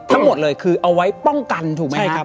ทั้งหมดเลยคือเอาไว้ป้องกันถูกไหมใช่ครับ